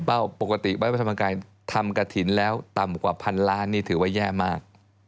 ปกติวัดพระธรรมกายทำกระถิ่นแล้วต่ำกว่าพันล้านนี่ถือว่าแย่มาก